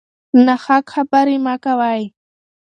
ناحق خبرې مه کوئ.